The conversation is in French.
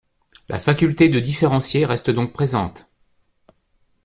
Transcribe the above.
La faculté de différencier reste donc présente.